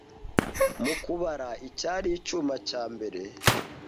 Mu kubara icyari icyuma cya mbere